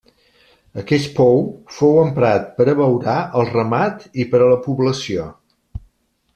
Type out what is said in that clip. Aquest pou fou emprat per abeurar el ramat i per a la població.